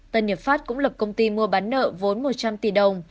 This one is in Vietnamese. tân nhật phát cũng lập công ty mua bán nợ vốn một trăm linh tỷ đồng